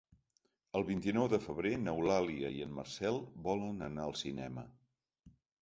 El vint-i-nou de febrer n'Eulàlia i en Marcel volen anar al cinema.